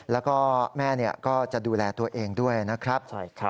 แล้วก็แม่ก็จะดูแลตัวเองด้วยนะครับ